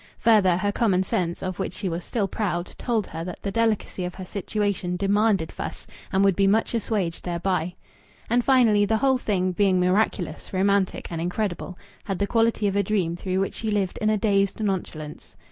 Further, her common sense, of which she was still proud, told her that the delicacy of her situation demanded "fuss," and would be much assuaged thereby. And finally, the whole thing, being miraculous, romantic, and incredible, had the quality of a dream through which she lived in a dazed nonchalance.